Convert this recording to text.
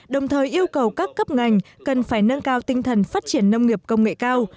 đồng thời yêu cầu các cấp ngành cần phải nâng cao tinh thần phát triển nông nghiệp công nghệ cao